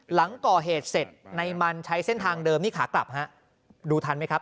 หลังก่อเหตุเสร็จในมันใช้เส้นทางเดิมนี่ขากลับฮะดูทันไหมครับ